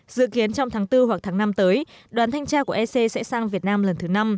dự kiến trong tháng bốn hoặc tháng năm tới đoàn thanh tra của ec sẽ sang việt nam lần thứ năm